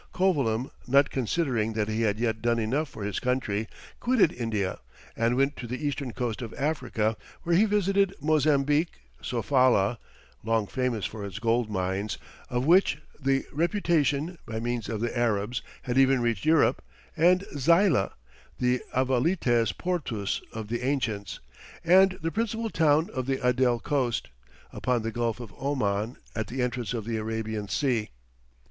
Covilham, not considering that he had yet done enough for his country, quitted India, and went to the eastern coast of Africa, where he visited Mozambique, Sofala long famous for its gold mines, of which the reputation, by means of the Arabs, had even reached Europe and Zeila, the Avalites portus of the ancients, and the principal town of the Adel coast, upon the Gulf of Oman, at the entrance of the Arabian Sea.